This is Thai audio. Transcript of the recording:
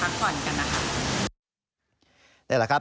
จากนั้นผู้สิทธิ์ข่าวก็พยายามโทรศัพท์ติดต่อสวนน้ำดังกล่าวนะครับ